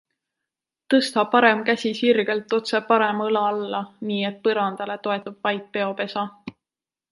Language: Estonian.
Tõsta parem käsi sirgelt otse parema õla alla nii, et põrandale toetub vaid peopesa.